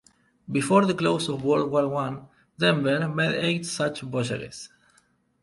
Before the close of World War One, "Denver" made eight such voyages.